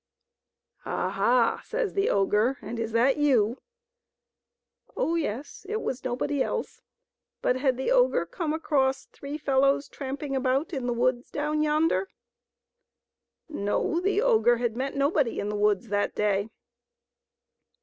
" Aha !" says the ogre, " and is that you ?" Oh, yes, it was nobody else ; but had the ogre come across three fellows tramping about in the woods down yonder ? No, the ogre had met nobody in the woods that day.